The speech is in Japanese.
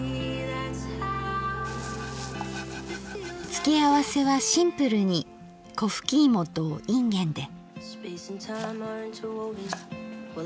付け合わせはシンプルにこふき芋といんげんで。